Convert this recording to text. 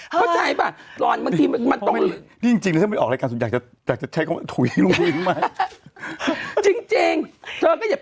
หล่อนไปแกล้งเขาไง